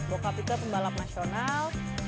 bokap itu pembalap nasional